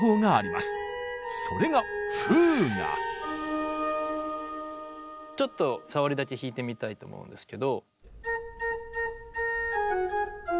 それがちょっとさわりだけ弾いてみたいと思うんですけど。